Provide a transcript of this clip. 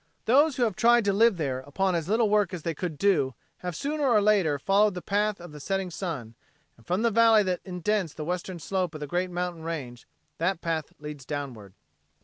Those who have tried to live there upon as little work as they could do have sooner or later followed the path of the setting sun, and from the valley that indents the western slope of the great mountain range, that path leads downward.